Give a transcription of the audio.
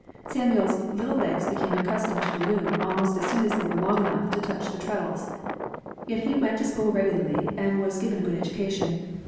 Samuel's "little legs be came accustomed to the loom almost as soon as they were long enough to touch the treadles." Yet he went to school regularly, and was given a good education.